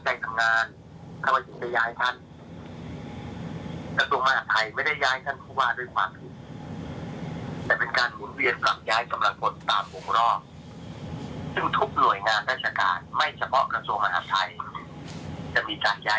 จะมีจัดใหญ่ถ้าขนาดอย่างนี้